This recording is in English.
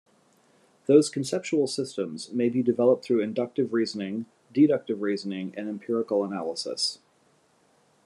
Those conceptual systems may be developed through inductive reasoning, deductive reasoning, and empirical analysis.